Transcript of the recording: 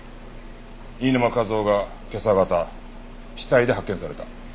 飯沼和郎が今朝方死体で発見された。